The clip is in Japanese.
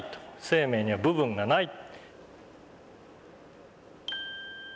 生命には部分がない。